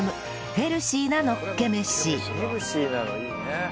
ヘルシーなのいいね。